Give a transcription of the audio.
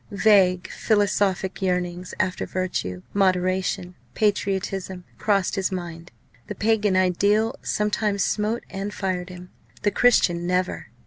Vague philosophic yearnings after virtue, moderation, patriotism, crossed his mind. The Pagan ideal sometimes smote and fired him, the Christian never.